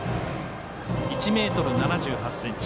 １ｍ７８ｃｍ。